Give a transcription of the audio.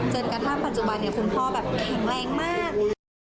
จนกระทั่งปัจจุบันคุณพ่อแบบแข็งแรงมาก